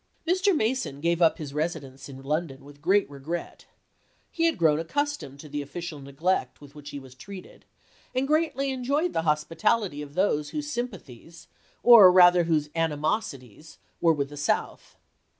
Mr. Mason gave up his residence in London with gi eat regret. He had grown accustomed to the official neglect with which he was treated, and greatly enjoyed the hospitality of those whose sympathies, or rather whose animosities, were with the South.